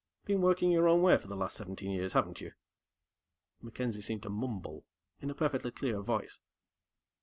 "Been working your own way for the last seventeen years, haven't you?" MacKenzie seemed to mumble in a perfectly clear voice.